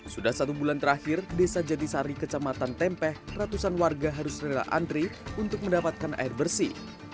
sudah satu bulan terakhir desa jatisari kecamatan tempeh ratusan warga harus rela antri untuk mendapatkan air bersih